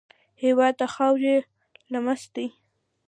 هېواد د خاورې لمس دی.